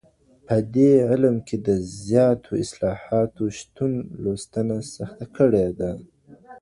په دې علم کي د زياتو اصطلاحاتو شتون لوستنه سخته کړې ده.